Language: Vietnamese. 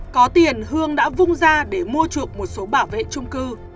có tiền hương đã vung ra để mua chuộc một số bảo vệ trung cư